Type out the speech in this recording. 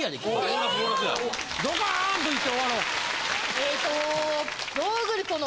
えっと。